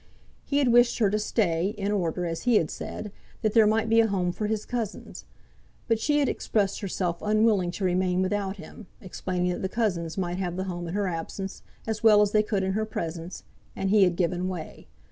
He had wished her to stay, in order, as he had said, that there might be a home for his cousins. But she had expressed herself unwilling to remain without him, explaining that the cousins might have the home in her absence, as well as they could in her presence; and he had given way.